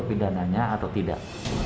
pidananya atau tidak